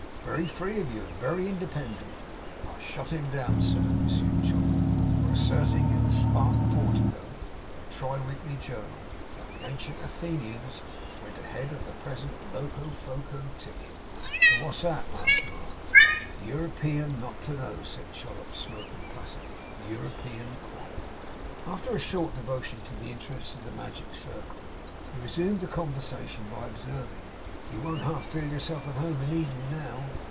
'Very free of you. And very independent!' 'I shot him down, sir,' pursued Chollop, 'for asserting in the Spartan Portico, a tri weekly journal, that the ancient Athenians went a head of the present Locofoco Ticket.' 'And what's that?' asked Mark. 'Europian not to know,' said Chollop, smoking placidly. 'Europian quite!' After a short devotion to the interests of the magic circle, he resumed the conversation by observing: 'You won't half feel yourself at home in Eden, now?